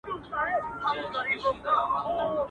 قصیدو ته ځان تیار کړ شاعرانو.